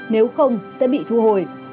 nếu không sẽ bị thu hồi